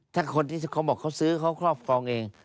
ถ้าคนที่เขาบอกเขาซื้อเขาครอบครองเอง